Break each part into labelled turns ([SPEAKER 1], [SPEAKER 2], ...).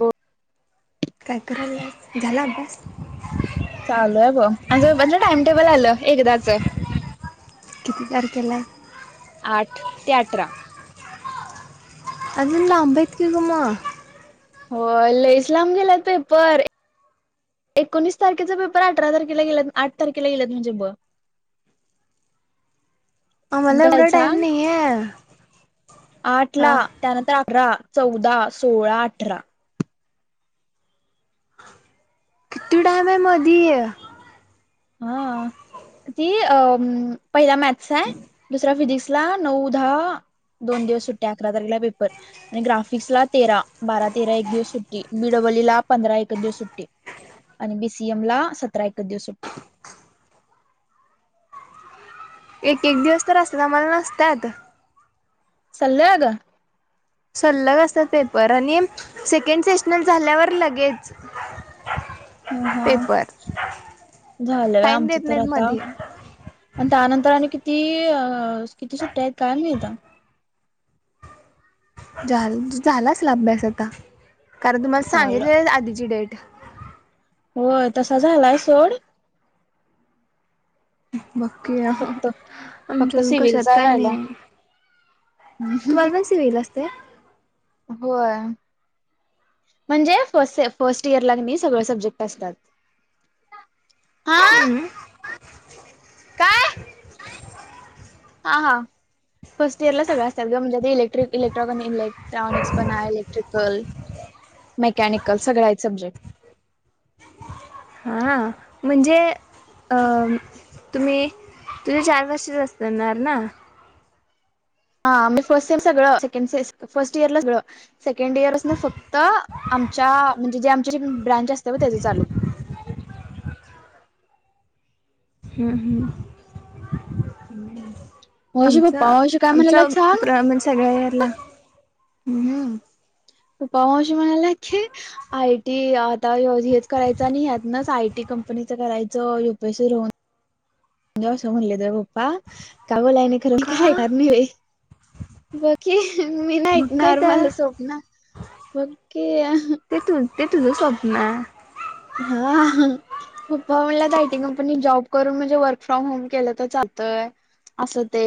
[SPEAKER 1] हो
[SPEAKER 2] कायक ब झाला बस
[SPEAKER 1] चालू आहे ब म्हं म्हणजे टाइम टेबल आलं एकदाच
[SPEAKER 2] किितितार केला
[SPEAKER 1] आठ ते अठरा
[SPEAKER 2] अ ना अंबेत किकमा
[SPEAKER 1] हो ल इस्लाम गेला पेपर एकोणीस तारखेचा पेपर अठरा तारखेला गेला आठ तारखेला गेलात म्हणजे ब
[SPEAKER 2] [unintelligible]
[SPEAKER 1] आणि
[SPEAKER 2] आम्हाला एवढा
[SPEAKER 1] कसाायचा
[SPEAKER 2] टाइम नाही आहे
[SPEAKER 1] आठ ला
[SPEAKER 2] हा
[SPEAKER 1] त्यानंतर अठरा चौदा सोळा अठरा
[SPEAKER 2] किती टाइम आहे मध आहे
[SPEAKER 1] हा ती अ पहिला मॅथ्स आहे दुसरा फिजिक्स ला नऊदा दोन दिवस सुट्ट्या अकरा तारखला पेपर आणि ग्राफिक्सला तेरा बारा तेरा एक दिवस सुट्टी बीडब्लू वलीला पंधरा एक दिवस सुट्टी आणि बीसीएम ला सतरा एक दिवस सुट्टी
[SPEAKER 2] एक एक दिवस तर असत मला नसतात
[SPEAKER 1] सल्ल्या ग
[SPEAKER 2] सल्लग असतात पेपर आणि सेकंड सेशनल झाल्यावर लगेच
[SPEAKER 1] हा
[SPEAKER 2] पेपर
[SPEAKER 1] झालंय
[SPEAKER 2] टाइम देत
[SPEAKER 1] आमचं तर
[SPEAKER 2] नाहीत
[SPEAKER 1] आता
[SPEAKER 2] मध्ये
[SPEAKER 1] आणि त्यानंतर आणिम किती अ किती सुट्ट्या आहेत काय नाहीेत
[SPEAKER 2] झा झालाच ला अभ्यास आता कारण तुम्हाला
[SPEAKER 1] झालं
[SPEAKER 2] सांगितले आधीची डेट ठ
[SPEAKER 1] होय तसा झालाय सोड
[SPEAKER 2] बाक्की
[SPEAKER 1] फक्त फक्त
[SPEAKER 2] आमच्याून कशात
[SPEAKER 1] सिव्हिलचा
[SPEAKER 2] का
[SPEAKER 1] राहिला
[SPEAKER 2] नाही तुम्हा अजसी वईल असते
[SPEAKER 1] होय म्हणजे फ फर्स्ट इयर लागणे सगळे सब्जेक्ट असतात आा
[SPEAKER 2] हम्म
[SPEAKER 1] हा हा फर्स्ट इयरला सगळ्या असतात ग म्हणजे ते इलेक्ट्र इलेक्ट्रॉ इलेक्ट्रॉनिक्स पण आहे इलेक्ट्रिकल मेकॅनिकल सगळंय स म्हमजे
[SPEAKER 2] हा म्हणजे अ तुम्ही तुझे चार वर्षच असताणार ना
[SPEAKER 1] हाजे फर्स्ट सेम सगळं सेक स फर्स्ट इयरला सगळं सेकंड इयर ना फक्त आम म्हणजे जे आम ब्रांच असते त्या चालू
[SPEAKER 2] [inaudible] हम् हम्म
[SPEAKER 1] हम्म मश पप्पाश काय म्हणाला सांग
[SPEAKER 2] सगळ याला
[SPEAKER 1] हम्म पप्पा मावशी म्हणाल्या की आयटी आता हेच करायच आणि ह्यातनच आयटी कंपनीचं करायचं युपीएसीन म्हणजे असं म्हणले तर पप्पा काग लाहेने करुन काय
[SPEAKER 2] का
[SPEAKER 1] करनार आहे बाकी मी नाही
[SPEAKER 2] मग काय तर
[SPEAKER 1] नॉर्मल स्वप्न बगकी
[SPEAKER 2] ते तु ते तुझं स्वप्न
[SPEAKER 1] हा पप्पा म्हणलं आयटी कंपनीत जॉब करून म्हणजे वर्क फ्रॉम होम केलं तर चालत.
[SPEAKER 2] [inaudible]
[SPEAKER 1] असं ते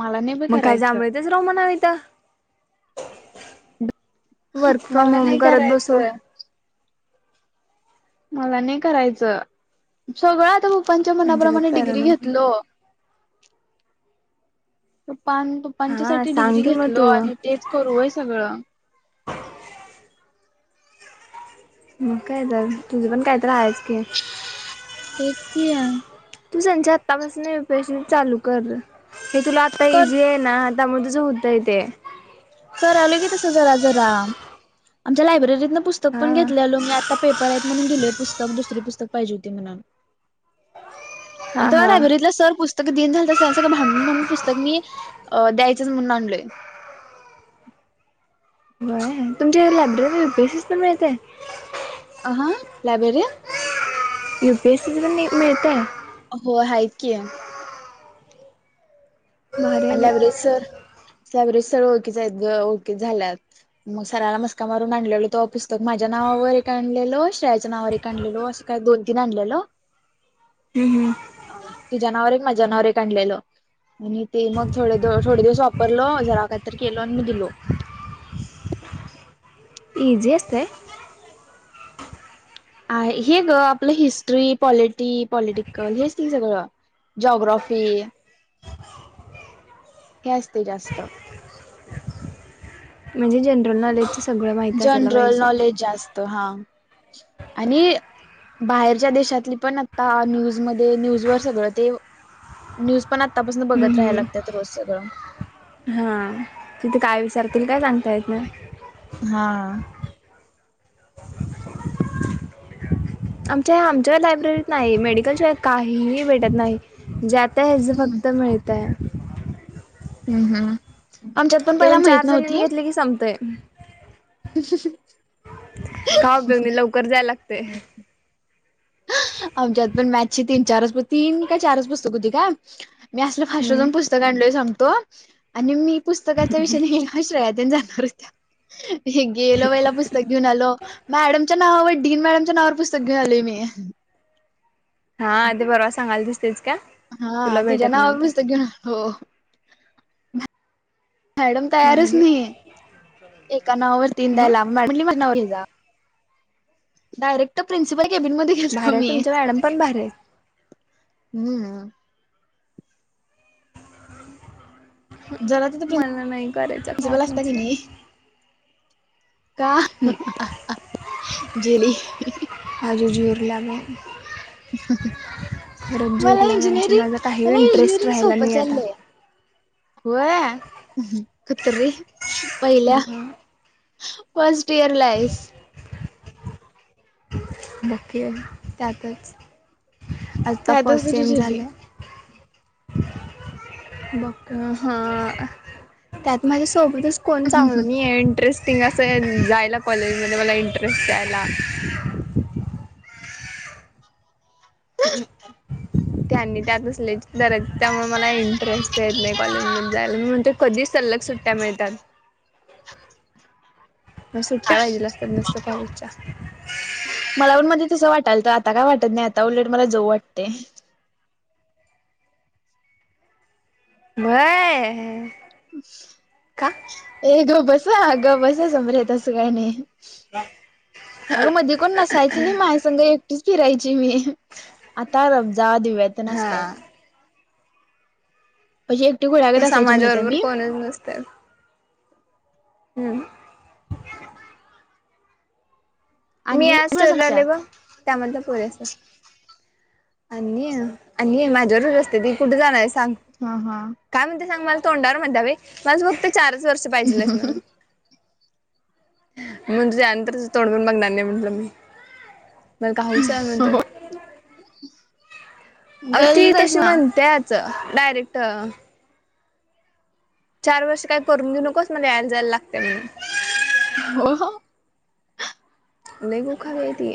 [SPEAKER 1] मला ने ब
[SPEAKER 2] मग काय
[SPEAKER 1] करायच.
[SPEAKER 2] जांभळीतच राहू म्हणावं इथं वर्क फ्रॉम
[SPEAKER 1] मला
[SPEAKER 2] होम
[SPEAKER 1] नाही
[SPEAKER 2] घरात बसू
[SPEAKER 1] करायचं मला नाही करायचं सगळं आता खूप पप्पांच्या मना
[SPEAKER 2] अजिबात
[SPEAKER 1] प्रमाणे
[SPEAKER 2] करा
[SPEAKER 1] डिग्री
[SPEAKER 2] नको
[SPEAKER 1] घेतलो पप्पान प्पांच्या
[SPEAKER 2] हां
[SPEAKER 1] साठी
[SPEAKER 2] सांग
[SPEAKER 1] डिग्री
[SPEAKER 2] की मग
[SPEAKER 1] घेतलो
[SPEAKER 2] तू
[SPEAKER 1] आणि तेच करूय सगळं
[SPEAKER 2] मग काय तर तुझे पण कायतर हायच की.
[SPEAKER 1] [unintelligible]
[SPEAKER 2] तू त्यांच्या आतापासून प्रश्न चालू कर हे तुला आता
[SPEAKER 1] कर
[SPEAKER 2] इझी आहे ना [unintelligible]
[SPEAKER 1] करालोय की तसं जरा जरा आमच्या लायब्ररीतन पुस्तक पण
[SPEAKER 2] हा
[SPEAKER 1] घेतलेलो मी आता पेपर आहेत म्हणून धूले पुस्तक दुसरी पुस्तक पाहिजे होती म्हणून
[SPEAKER 2] हा
[SPEAKER 1] आम त
[SPEAKER 2] हा
[SPEAKER 1] लायबरीतला सर पुस् सगं दिन झालं त सळं भांडून भांडून पुस्तक मी अ द्यायचंच म्हणून आणलोय
[SPEAKER 2] [unintelligible]
[SPEAKER 1] अ हा लायब्रेरी आहे?
[SPEAKER 2] यू पी एस सीण मिळतय.
[SPEAKER 1] हो हाय किय.
[SPEAKER 2] भारी आहे
[SPEAKER 1] आल्या
[SPEAKER 2] बाई
[SPEAKER 1] बरेसर सव्हेज सर ओळखिच आहेत ग ओळखी झाल्यात मग सराला मस्का मारून आणलेलो तवा पुस्तक माझ्या माझ्या नावावर एक आणलेलो श्रेयाच्या नावावर एक आणलेलो असं काही दोन तीन आणलेलो
[SPEAKER 2] हम्म हम्म
[SPEAKER 1] तुझा नावावर माझ्या नावावर एक आणलेल आणि ते मग थोडे थोडे दिवस वापरल जरा काहीतरी केलो आणि मी दिलो.
[SPEAKER 2] इझी असतय?
[SPEAKER 1] आहे हे ग आपलं हिस्ट्री पॉलिटी पॉलिटिकल हेच की सगळं जोग्राॊफी
[SPEAKER 2] [unintelligible]
[SPEAKER 1] हे असतय जास्त
[SPEAKER 2] म्हणजे जनरल नॉलेज
[SPEAKER 1] जनरल नॉलेज जास्त हा आणि बाहेरच्या देशातली पण आता न्यूजमध्ये न्यूज वर सगळं ते न्यूज पण आतापासून बघत
[SPEAKER 2] हम्म
[SPEAKER 1] राहाय
[SPEAKER 2] हम्म
[SPEAKER 1] लागतात रोज सगळं.
[SPEAKER 2] हा तिथे काय विचारतील काय सांगता येत ना.
[SPEAKER 1] हा
[SPEAKER 2] आमच्या ह्या आमच्या लायब्ररीत नाही मेडिकलशिवाय काहीही भेटत नाही ज्यात... ते हेजं
[SPEAKER 1] हम्म
[SPEAKER 2] फक्त मिळतय...
[SPEAKER 1] हम्म हम्म आमच्यात पण
[SPEAKER 2] ते
[SPEAKER 1] पहिला माहित
[SPEAKER 2] चार जणींनी
[SPEAKER 1] नव्हती..
[SPEAKER 2] घेतले की संपतय
[SPEAKER 1] [unintelligible]
[SPEAKER 2] का उपयोग नाही लवकर जायल लागतय.
[SPEAKER 1] अ तीन चारच तीन का चारच पुस्तक होती का मी असलं फास्ट
[SPEAKER 2] हम्म
[SPEAKER 1] जाऊन पुस्तक आणलोय सांगत... तो आणि मी पुस्तकाच्या विषयने आश्रयात जाणार होत्या. हे गेल्या वेळेला पुस्तक घेऊन आलो मॅडमच्या नावावर डीन मॅडमच्या नावावर पुस्तक घेऊन आलोय मी..
[SPEAKER 2] हा ते पर्वा सांगलतीस. तेच का
[SPEAKER 1] हा
[SPEAKER 2] तुला
[SPEAKER 1] तिच्या
[SPEAKER 2] भेटत
[SPEAKER 1] नावावर
[SPEAKER 2] नव्हत.
[SPEAKER 1] पुस्तक घेऊन आलो मॅडम तयारच
[SPEAKER 2] बाई
[SPEAKER 1] नाही एका नावावर तीन
[SPEAKER 2] मग
[SPEAKER 1] द्यायला मॅडम.. डायरेक्ट प्रिन्सीपल... कॅबिन मध्ये गेलतो
[SPEAKER 2] भारी आहे
[SPEAKER 1] मी
[SPEAKER 2] तुमच्या मॅडम पण भारी आहेत.
[SPEAKER 1] हम्म. जरा तिथं प्रिन्सि
[SPEAKER 2] मला नाही करायच
[SPEAKER 1] प्रिन्सिपल असता
[SPEAKER 2] कारणच...
[SPEAKER 1] की नाही का जेली..
[SPEAKER 2] इलाम..
[SPEAKER 1] ह
[SPEAKER 2] जीर
[SPEAKER 1] मला
[SPEAKER 2] लागायची
[SPEAKER 1] इंजिनिअरिंग
[SPEAKER 2] माझा काही
[SPEAKER 1] मला
[SPEAKER 2] इंटरेस्ट
[SPEAKER 1] इंजिनिअरिंग
[SPEAKER 2] राहिला
[SPEAKER 1] सोपं
[SPEAKER 2] नाही आता.
[SPEAKER 1] चाललंय. होय कुत्रे...
[SPEAKER 2] ह..
[SPEAKER 1] फर्स्ट इयर लाईस..
[SPEAKER 2] बग की अगं त्यातच आत्ता
[SPEAKER 1] त्यातच
[SPEAKER 2] फर्स्ट
[SPEAKER 1] तुझी
[SPEAKER 2] सेम
[SPEAKER 1] झिल्ली
[SPEAKER 2] झाले.. ब हा त्यात माझ्या.. सोबतच कोण चांगलं नाही आहे इंटरेस्ट... थिंग असं जायला कॉलेजमध्ये मला इंटरेस्ट द्यायला.. त्यांनी त्यात असल्याची गरज त्यामुळे मला इंटरेस्ट... य नाही कॉलेज मधे जायला मग मी म्हणतोय कधीच.. सलग सुट्ट्या मिळतात. मग सुट्टया पाहिजेला असतात नुसत कॉलेजच्या...
[SPEAKER 1] मला पण मध्ये तसं वाटायलत आता काय वाटत नाही आता उलट मला जाऊ वाटतय..
[SPEAKER 2] व्हय...
[SPEAKER 1] अ...
[SPEAKER 2] का
[SPEAKER 1] ए ग बस अ गं बस समरे तसं काय नाही. अगं मध्ये कोण नसायचं नाही माझ्या संघ एकटीच फिरायची मी आता... जा दिव्या तेन असतात..
[SPEAKER 2] हा
[SPEAKER 1] अशी एकटी
[SPEAKER 2] त्या
[SPEAKER 1] खुळ्यागत असायची माहितेय
[SPEAKER 2] समाजाबरोबर
[SPEAKER 1] मी..
[SPEAKER 2] कोणच नसतं हम्म... मी
[SPEAKER 1] आणि
[SPEAKER 2] आज स्टोरी लावल्या बग त्यामधल्या पोरी असतात. आणि आणि माझ्यावरच र असते ती कुठे जाणार.. सांग
[SPEAKER 1] हा हा
[SPEAKER 2] काय म्हणत्या सांग मला तोंडावर म्हणत्या बाई माझ्यासोबत.. चारच वर्ष पाहिजे मग तुझ्यानंतर तोडून बघणार.. म्ह म्हणलं मी... मला का हौस आहे म्हणतो अ
[SPEAKER 1] गल्ली
[SPEAKER 2] ती
[SPEAKER 1] जाईस
[SPEAKER 2] तशी
[SPEAKER 1] म
[SPEAKER 2] म्हणतात. डायरेक्ट चार वर्ष काय करून देऊ नकोस मला यायला जायला लागते म...
[SPEAKER 1] हो...
[SPEAKER 2] लय गू खावी आहे ती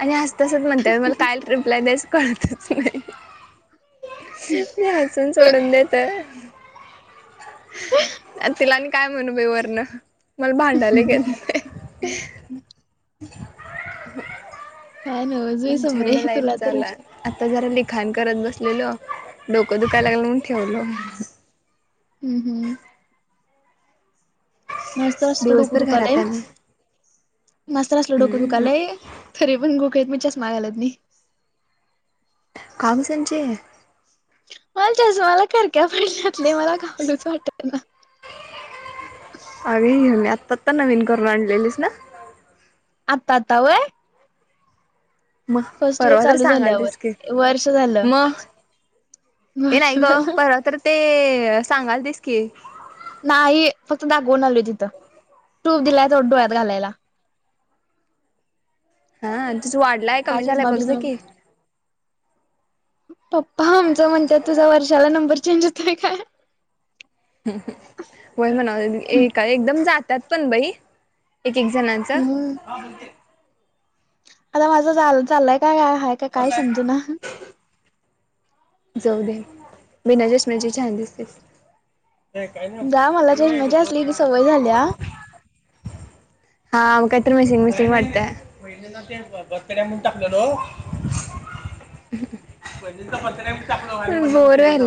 [SPEAKER 2] आणि हसत हसत म्हणत्या बाई मला काय रिप्लाय द्या... कळतच नाही मी हसून सोडून देतोय.. तिला आणि काय म्हणू बाई वर्ण... मला भांडायला एक येतं नाही
[SPEAKER 1] हम
[SPEAKER 2] ह माझी
[SPEAKER 1] समरे
[SPEAKER 2] झंड लाईफ
[SPEAKER 1] तुला तर
[SPEAKER 2] चालू
[SPEAKER 1] विच
[SPEAKER 2] हाय आता जरा खाण करत बसलेलो डोकं दुखायला लागलं म्हणून ठेवलो
[SPEAKER 1] हम्म हम्म माझ तर असल डोकं
[SPEAKER 2] दिवसभर
[SPEAKER 1] दुखायलय
[SPEAKER 2] घरात आहे मी.
[SPEAKER 1] माझं तर असल डोकं
[SPEAKER 2] हम्म
[SPEAKER 1] दुखायला य तरी पण ग मी पण चष्मा घालत नाही.
[SPEAKER 2] कावून संचे?
[SPEAKER 1] हलच्याज मला करक्या पडल्यातले मला खाऊलूच वाटत ना.
[SPEAKER 2] अरे हे मी आत्ता आत्ता नवीन करून आणलेलीस ना.
[SPEAKER 1] आता आता व.
[SPEAKER 2] मग
[SPEAKER 1] फर्स्ट इयर
[SPEAKER 2] परवा तर
[SPEAKER 1] चालू झाल्यावर
[SPEAKER 2] सांगालतीस की
[SPEAKER 1] वर्ष झालं.
[SPEAKER 2] मग हे
[SPEAKER 1] वर्ष
[SPEAKER 2] नाही ग!
[SPEAKER 1] झालं
[SPEAKER 2] पर तर ते सांगाल दिस की,
[SPEAKER 1] नाही फक्त दागवून आलो तिथं. टॉप दिलाय तिथे डोळ्यात घालायला.
[SPEAKER 2] हा, तुझ वाढलाय
[SPEAKER 1] काय
[SPEAKER 2] कमी झालाय
[SPEAKER 1] चष्मा
[SPEAKER 2] बघ ज
[SPEAKER 1] बिस्मा
[SPEAKER 2] की?
[SPEAKER 1] पप्पा आमच म्हणतात तुझा वर्षाला नंबर चेंज होतय काय?
[SPEAKER 2] वय म्हणा एक का एकदम जातात पण बाई! एक एक जणांचं.
[SPEAKER 1] हम्म आता माझं चाललाय काय हय का काय समज ना.
[SPEAKER 2] जाऊ दे बिना चष्म्याची छान दिसतेस. ते काही
[SPEAKER 1] जा मला चष्म्याची
[SPEAKER 2] नाही.
[SPEAKER 1] असली की सवय झाल्या
[SPEAKER 2] हा म का. मिसिंग मिसिंग वाटते ब टाकलं हो. म्ह पत बोर होहल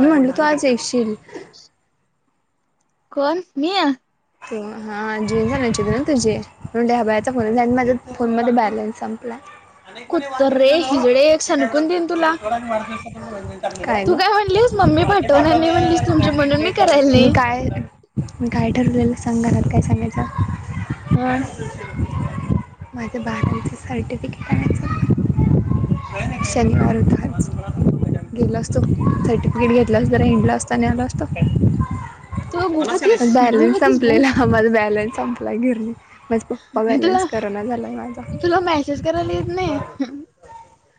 [SPEAKER 2] मी म्हणल तू आज येशील.
[SPEAKER 1] कोण मीया?
[SPEAKER 2] हा जीन झाित ना तुझे म्हणून दहा बायाचा फोन झा माझ्या फोन मध्ये बॅलन्स संपला. हे वाक्य
[SPEAKER 1] कुत्रे
[SPEAKER 2] लिहिलेलं
[SPEAKER 1] हिजडे एक सणकून देईन तुला
[SPEAKER 2] काय
[SPEAKER 1] तू
[SPEAKER 2] ग?
[SPEAKER 1] म्हणलीस मम्मी पाठवणार नाही म्हणलीस तुमची म्हणून मी करायला
[SPEAKER 2] मी
[SPEAKER 1] नाही
[SPEAKER 2] काय मी काय ठरवलेलं सांग. घरात काय सांगयच.
[SPEAKER 1] हम्
[SPEAKER 2] माझं बारचं सर्टिफिकेट आणायचं. शनिवार दर. गेला असतो सर्टिफिकेट घेतला अस तर हिंडलो असत आणि आला असतो.
[SPEAKER 1] त गु खातीस.
[SPEAKER 2] आज बॅलन्स
[SPEAKER 1] खातीस
[SPEAKER 2] संपलेला आम्हाला बॅलन्स संपला गेली.
[SPEAKER 1] म तुला, म
[SPEAKER 2] माझा
[SPEAKER 1] तुला मेसेज करायला येत नाही [unintelligible] [inaudible]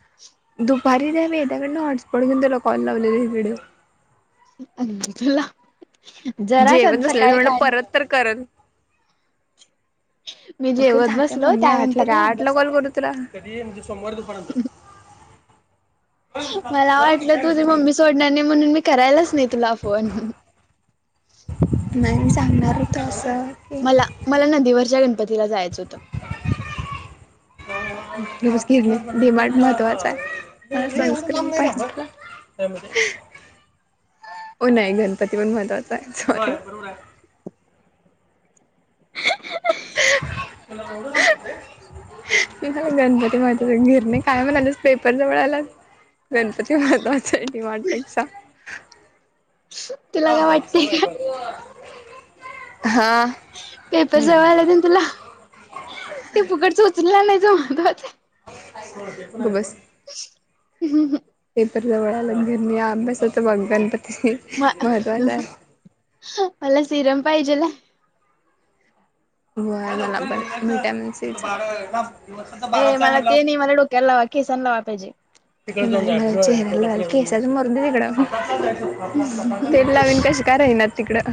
[SPEAKER 2] दुपारी द्यावे यांच्याकडून हॉटस्पॉट घेऊन त्याला कॉल लावलेली व्हिडिओ.
[SPEAKER 1] तुला, जरास
[SPEAKER 2] जेवण बसलेलं
[SPEAKER 1] सकाळी
[SPEAKER 2] म्हणलं
[SPEAKER 1] काय ना.
[SPEAKER 2] परत तर करल
[SPEAKER 1] मी
[SPEAKER 2] अगं
[SPEAKER 1] जेवत
[SPEAKER 2] झा
[SPEAKER 1] बसलो
[SPEAKER 2] मम्मी आठला
[SPEAKER 1] त्यानंतर घे
[SPEAKER 2] काय आठ ला
[SPEAKER 1] अभ्यास
[SPEAKER 2] कॉल करू तुला सोमवार दुपार नंतर ह
[SPEAKER 1] मला वाटलं तुझी
[SPEAKER 2] विषय नाही.
[SPEAKER 1] मम्मी सोडणार नाही म्हणून मी करायलाच नाही तुला फोन.
[SPEAKER 2] नाही सांगणार होत असं.
[SPEAKER 1] मला मला नदीवरच्या गणपतीला जायचं होतं.
[SPEAKER 2] रोज गिरणीत डिमांड महत्त्वाचं आहे. संस्कृती पाहिजे. काय म्हाणते? हो! नाही गणपती पण महत्वाचा आहे. सॉरी. [unintelligible] [inaudible] म गणपती महत्व निरणे काय? म्हणालेस पेपर जवळ आला. गणपती महत्त्वच आहे डीमार्ट पेक्षा.
[SPEAKER 1] तुला
[SPEAKER 2] हा
[SPEAKER 1] काय
[SPEAKER 2] हा स
[SPEAKER 1] वाटतय का पेपर
[SPEAKER 2] हम्म हम्म
[SPEAKER 1] जवळयला तुला ते फुकटच उचलला नाहीच महत्त्वाचं आहे.
[SPEAKER 2] हो! बस.
[SPEAKER 1] ह् ह्
[SPEAKER 2] पेपर जवळ आल्या घर ही अभ्यासच बघ.
[SPEAKER 1] म
[SPEAKER 2] महत्त्वाचा आहे.
[SPEAKER 1] मला सिरम पाहिजेला
[SPEAKER 2] ग याला पण विटॅमिन सी चा
[SPEAKER 1] ए मला तेनी मला डोक्या लावा केिसनलावा पाहिजे
[SPEAKER 2] केसाला मरु दे तिकड ते ला विन कश कराहिना तिकडं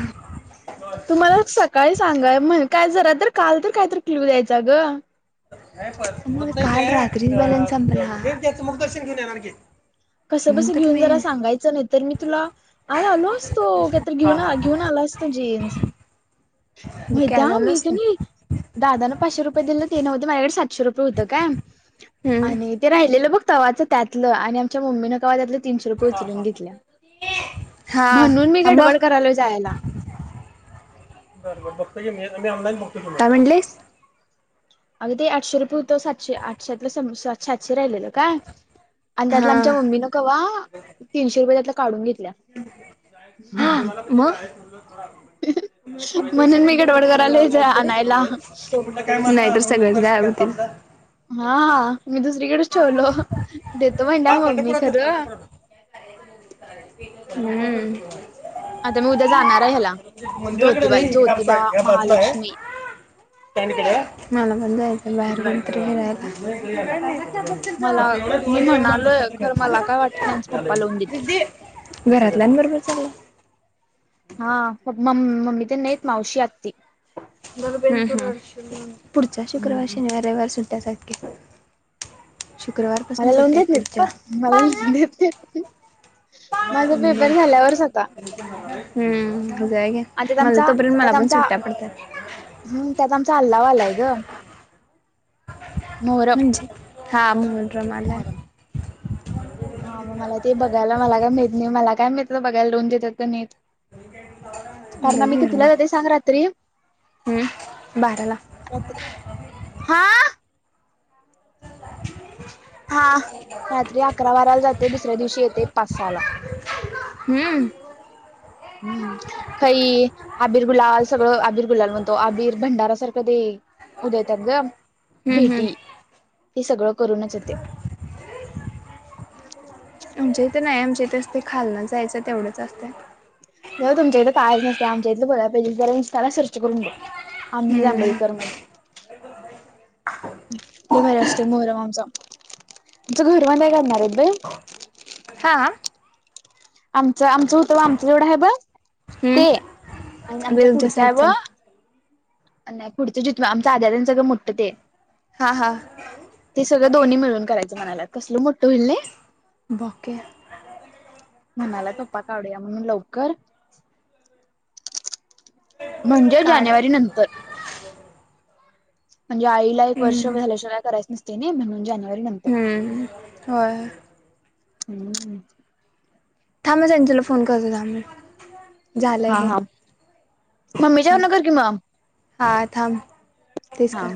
[SPEAKER 1] तुम्हाला सकाळी सांगा म्हण काय जरा तर काल तर कायत क्लू द्यायचा ग
[SPEAKER 2] काल रात्री मला संपला मग दर्शन घेऊन येणार की
[SPEAKER 1] कसं
[SPEAKER 2] म्हणून
[SPEAKER 1] कस
[SPEAKER 2] तर
[SPEAKER 1] घेऊन
[SPEAKER 2] मी
[SPEAKER 1] जरा सांगायचं नाही तर मी तुला आज आलो असतो काहीत
[SPEAKER 2] हा
[SPEAKER 1] घेऊन
[SPEAKER 2] हा
[SPEAKER 1] घेऊन आला मस्त जिन्स
[SPEAKER 2] मग
[SPEAKER 1] विद्या
[SPEAKER 2] काय झालं
[SPEAKER 1] मी
[SPEAKER 2] असत
[SPEAKER 1] दादा ला पाचशे रुपये दि ते नव्हते माझ्याकडे सातशे रुपये होत का
[SPEAKER 2] हम्म
[SPEAKER 1] आणि ते राहिलेलं बघ तव्हाचं त्यातलं आणि आमच्या मम्मीननें्हा त्यातलं तीनशे रुपये
[SPEAKER 2] हा
[SPEAKER 1] उचलून
[SPEAKER 2] हा
[SPEAKER 1] घेतल्या
[SPEAKER 2] हा
[SPEAKER 1] म्हणून मी गडबड करायलो जायला
[SPEAKER 2] ब बर बघत मीही ऑला बघतोय म्हटलेस काय म्हणलीस
[SPEAKER 1] ते आठशे रुपये होतो सातशे आठशातलंात सातशे राहिलेल काय आणि त्यातलं आमच्या
[SPEAKER 2] हा
[SPEAKER 1] मम्मीनं कवा तीनशे रुपये त्यातलं काढून घेत
[SPEAKER 2] हा म मला
[SPEAKER 1] म्हणून
[SPEAKER 2] कंपलसरी
[SPEAKER 1] मी
[SPEAKER 2] बुट
[SPEAKER 1] गडबड
[SPEAKER 2] घायला
[SPEAKER 1] करायलोय जरा आणायला.
[SPEAKER 2] लावलाय सगळे च गायब होतील
[SPEAKER 1] हा ह मी दुसरीकडेच ठेवलो देतो
[SPEAKER 2] ह हा
[SPEAKER 1] म्हणल्या मम्मी
[SPEAKER 2] पंढरपूरातच
[SPEAKER 1] खरं
[SPEAKER 2] पंढरपूरतच हम्
[SPEAKER 1] आता मी उद्या जाणार आहे ह्याला
[SPEAKER 2] मंदिराकडे नाही
[SPEAKER 1] ज्योतिबाला
[SPEAKER 2] ह
[SPEAKER 1] ज्योतिबा
[SPEAKER 2] साईड ह्या बाजूला आहे
[SPEAKER 1] महालक्ष्मी
[SPEAKER 2] मला पण जायचं बाहेर कुठेतरी फिरायला
[SPEAKER 1] मला मी
[SPEAKER 2] व
[SPEAKER 1] म्हणालोय खरं मला काय वाटत नाही आमचं पप्पा लावून देतील.
[SPEAKER 2] घरातल्या बरोबर चालू
[SPEAKER 1] हा म मम्मी तर नाहीेत मावशी आत्ती
[SPEAKER 2] पुढच्या शुक्रवार
[SPEAKER 1] मला
[SPEAKER 2] शनिवार रविवा सुट्ट्याच आहेत कि
[SPEAKER 1] मला लावून देत
[SPEAKER 2] आहेत पुढच्या.
[SPEAKER 1] नाही मला लवून देत नाही
[SPEAKER 2] हम्
[SPEAKER 1] आता
[SPEAKER 2] हम्म
[SPEAKER 1] आणि त्यात
[SPEAKER 2] मला
[SPEAKER 1] आमचा
[SPEAKER 2] तोपर्न मला
[SPEAKER 1] त्यात
[SPEAKER 2] पण
[SPEAKER 1] आमचा
[SPEAKER 2] सुट्ट्या पडतात
[SPEAKER 1] हम्म त्यात आमचा अल्लाव आलाय ग मोहरम
[SPEAKER 2] म्हजे हा म्ह रमाला
[SPEAKER 1] मोहरम हा मग मला ते बघायला मला काय माहीत नाही मला काय ममि बघायला लावून देतात का नाही सर्वात कारन आम्ही कितीला जातंय
[SPEAKER 2] हम्म
[SPEAKER 1] सांग रात्री [inaudible]
[SPEAKER 2] बाराला
[SPEAKER 1] हा
[SPEAKER 2] चछ
[SPEAKER 1] हा रात्री अकरा बाराला जाते दुसऱ्या दिवशी येते पाच सला
[SPEAKER 2] हम्म
[SPEAKER 1] हम्म खही आबीर गुलाल सगळं आबिर गुलाल म्हणतो आबिर भंडारा सारख प्रदे उदय त्यां ग
[SPEAKER 2] हम्म हम्म
[SPEAKER 1] भेटी हेी सगळं करूनच येते
[SPEAKER 2] म्हजे तेच ते खालणं जायचं तेवढंच असते.
[SPEAKER 1] जावा तुमच्या इथं कायच नसते. आमच्या इथलं बऱ्या पैकी गरम त्याला सर्च करून बघ, आम्ही
[SPEAKER 2] हम्म
[SPEAKER 1] जांभळीकर म्हणून. लई भारी असतो मोहरम आमचा. आमच घर बांधायला काढणारेत बाई.
[SPEAKER 2] हा?
[SPEAKER 1] आम मच आमचं होतं व आमचं जेवढं आहे बय
[SPEAKER 2] हम्म
[SPEAKER 1] ते, आणि आमच्या
[SPEAKER 2] तुमच्या
[SPEAKER 1] पुढचं आहे
[SPEAKER 2] साईडचा
[SPEAKER 1] व नाही पुढचं जितन आमच आर्ध आहे, सगळं मोठं ते.
[SPEAKER 2] हा हा
[SPEAKER 1] ते सगळं दोन्ही मिळून करायचं मनालात. कसल मोठं होईल नाही?
[SPEAKER 2] बॉके
[SPEAKER 1] म्हणाला तोपा काढुया. म्हणून लवकर म्हणजे
[SPEAKER 2] काढ
[SPEAKER 1] जानेवारी नंतर. म्हणजे आईला एक वर्ष
[SPEAKER 2] हम्म
[SPEAKER 1] झाल्याशिवाय करायच नसते नाही. म्हणून जान
[SPEAKER 2] हं, होय.
[SPEAKER 1] हं हं.
[SPEAKER 2] थांब सांच्याला फोन करते थांब मी. झालंय
[SPEAKER 1] हा
[SPEAKER 2] हे
[SPEAKER 1] हा. मम्मीच्या
[SPEAKER 2] थांब
[SPEAKER 1] यांच्यावरणं कर की मग.
[SPEAKER 2] हा थांब. तेच
[SPEAKER 1] हा.
[SPEAKER 2] कर